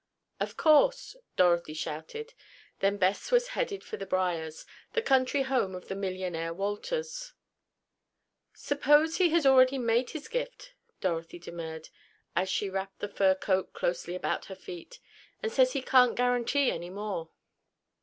"Of course," Dorothy shouted. Then Bess was headed for The Briars, the country home of the millionaire Wolters. "Suppose he has already made his gift," Dorothy demurred, as she wrapped the fur robe closely about her feet, "and says he can't guarantee any more."